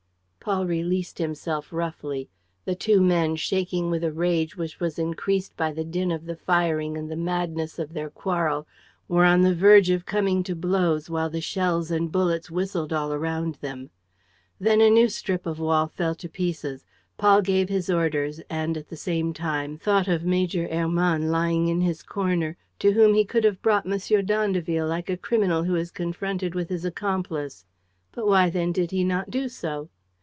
Paul released himself roughly. The two men, shaking with a rage which was increased by the din of the firing and the madness of their quarrel, were on the verge of coming to blows while the shells and bullets whistled all around them. Then a new strip of wall fell to pieces. Paul gave his orders and, at the same time, thought of Major Hermann lying in his corner, to whom he could have brought M. d'Andeville like a criminal who is confronted with his accomplice. But why then did he not do so?